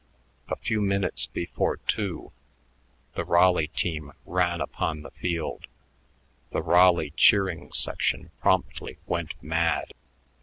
A few minutes before two, the Raleigh team ran upon the field. The Raleigh cheering section promptly went mad.